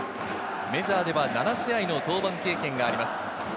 メジャーでは７試合の登板経験があります。